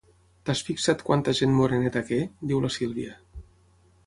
T'has fixat quanta gent moreneta que? —diu la Sílvia.